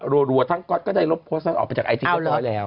รัวทั้งก๊อตก็ได้ลบโพสต์นั้นออกไปจากไอจีเรียบร้อยแล้ว